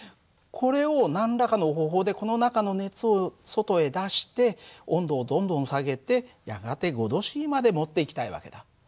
これを何らかの方法でこの中の熱を外へ出して温度をどんどん下げてやがて５℃までもっていきたい訳だ。